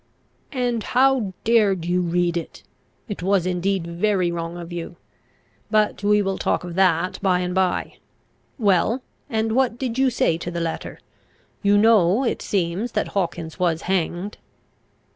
"And how dared you read it? It was indeed very wrong of you. But we will talk of that by and by. Well, and what did you say to the letter? You know it seems, that Hawkins was hanged."